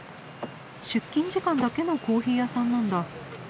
出勤時間だけのコーヒー屋さんなんだ。